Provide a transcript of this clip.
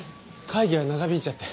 会議が長引いちゃって。